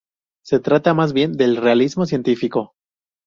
Se trata más bien de realismo científico.